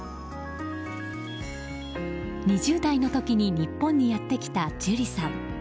２０代の時に日本にやってきたジュリさん。